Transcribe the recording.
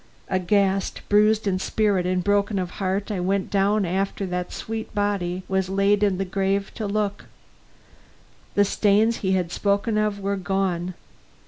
Aghast, bruised in spirit and broken of heart, I went down, after that sweet body was laid in its grave, to look. The stains he had spoken of were gone.